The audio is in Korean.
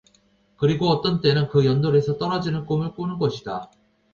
그리고 어떤 때는 그 연돌에서 떨어지는 꿈을 꾸는 것이다.